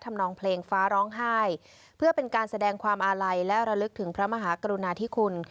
นองเพลงฟ้าร้องไห้เพื่อเป็นการแสดงความอาลัยและระลึกถึงพระมหากรุณาธิคุณ